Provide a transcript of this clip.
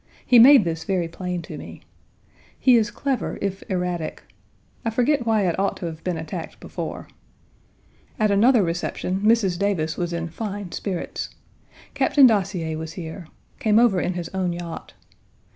He made this very plain to me. He is clever, if erratic. I forget why it ought to have been attacked before. At another reception, Mrs. Davis was in fine spirits. Captain Dacier was here. Came over in his own yacht.